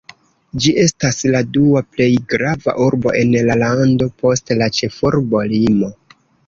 Ĝi estas la dua plej grava urbo en la lando, post la ĉefurbo Limo.